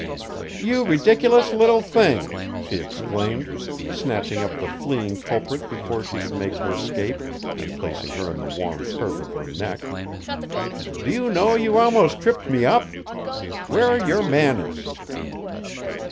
"You ridiculous little thing!" she exclaimed, snatching up the fleeing culprit before she could make her escape and placing her in the warm curve of her neck. "Do you know you almost tripped me up? Where are your manners?"